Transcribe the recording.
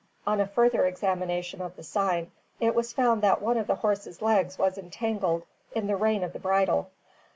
On a further examination of the sign, it was found that one of the horse's legs was entangled in the rein of the bridle.